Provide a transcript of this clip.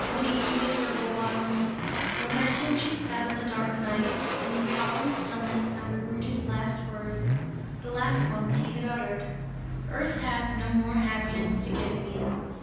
Me, miserable one!" Lamenting, sat she in the dark night. In the solemn stillness, sounded Rudy's last words; the last ones he had uttered: "Earth has no more happiness to give me!"